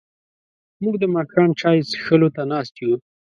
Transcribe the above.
موږ د ماښام چای څښلو ته ناست یو.